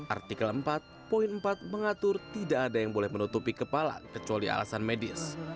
artikel empat empat mengatur tidak ada yang boleh menutupi kepala kecuali alasan medis